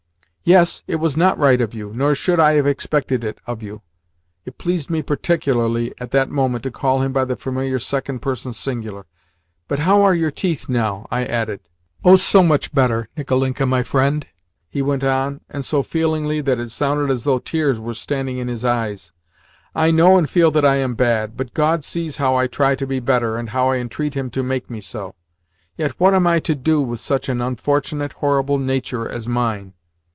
"Yes, it was not right of you, nor should I have expected it of you." It pleased me particularly at that moment to call him by the familiar second person singular. "But how are your teeth now?" I added. "Oh, much better. Nicolinka, my friend," he went on, and so feelingly that it sounded as though tears were standing in his eyes, "I know and feel that I am bad, but God sees how I try to be better, and how I entreat Him to make me so. Yet what am I to do with such an unfortunate, horrible nature as mine?